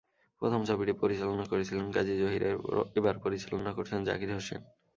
প্রথম ছবিটি পরিচালনা করেছিলেন কাজী জহির, এবার পরিচালনা করছেন জাকির হোসেন।